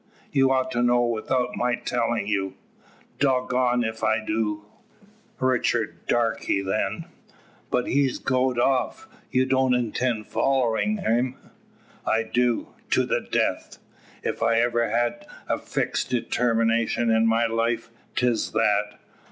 "You ought to know without my telling you." "Dog goned ef I do." "Richard Darke, then." "But he's goed off; ye don't intend follerin' him?" "I do to the death. If ever I had a fixed determination in my life, 'tis that."